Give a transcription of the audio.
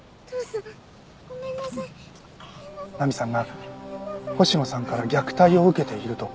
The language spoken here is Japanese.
菜美さんが星野さんから虐待を受けていると。